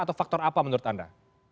atau faktor apa menurut anda